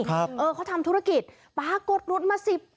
เขาทำธุรกิจปรากฏหลุดมาสิบ